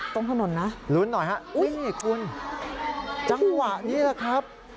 ตรงถนนนะลุ้นหน่อยฮะอุ้ยคุณจังหวะนี้แหละครับ